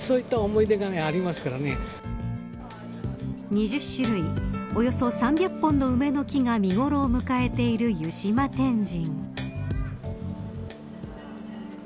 ２０種類およそ３００本の梅の木が見頃を迎えている湯島天神。